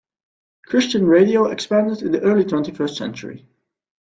Christian radio expanded in the early twenty-first century.